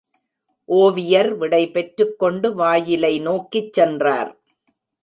ஒவியர் விடைபெற்றுக் கொண்டு வாயிலை நோக்கிச் சென்றார்.